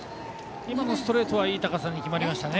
今のストレートはいい高さに決まりましたね。